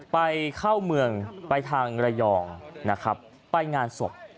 ไปเข้าเมืองไปทางระยองนะครับไปงานศพ